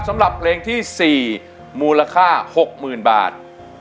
สำหรับเพลงที่๔มูลค่า๖๐๐๐บาท